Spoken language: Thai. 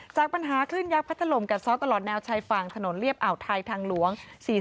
จากปัญหาคลื่นยักษ์พัดถล่มกัดซ้อนตลอดแนวชายฝั่งถนนเรียบอ่าวไทยทางหลวง๔๔